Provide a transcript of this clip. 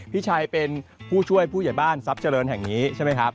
พี่ชัยเป็นผู้ช่วยผู้ใหญ่บ้านทรัพย์เจริญแห่งนี้ใช่ไหมครับ